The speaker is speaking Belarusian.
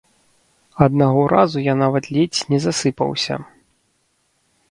Аднаго разу я нават ледзь не засыпаўся.